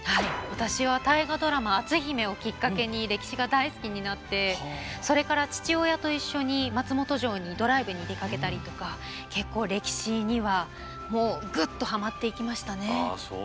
私は大河ドラマ「篤姫」をきっかけに歴史が大好きになってそれから父親と一緒に松本城にドライブに出かけたりとか結構歴史にはもうグッとハマっていきましたね。